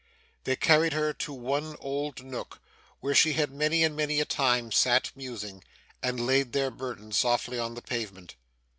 They carried her to one old nook, where she had many and many a time sat musing, and laid their burden softly on the pavement.